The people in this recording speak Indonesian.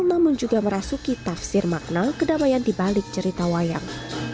namun juga merasuki tafsir makna kedamaian dibalik cerita wayang